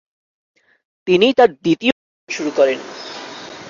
তিনি তার দ্বিতীয় অভিযান শুরু করেন।